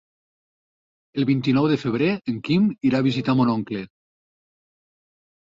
El vint-i-nou de febrer en Quim irà a visitar mon oncle.